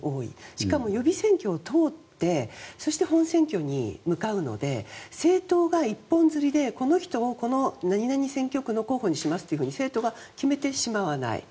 しかも予備選挙を通ってそして、本選挙に向かうので政党が一本釣りでこの人を何々選挙区の候補にしますというふうに政党が決めてしまわない。